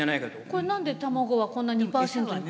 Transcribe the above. これ何で卵はこんな２％に。